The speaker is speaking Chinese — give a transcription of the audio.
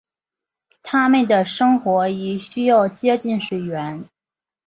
它们的生活亦需要接近水源。